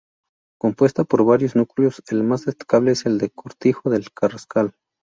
Compuesta por varios núcleos, el más destacable es el del Cortijo del Carrascal.